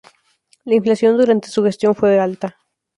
La inflación durante su gestión fue alta.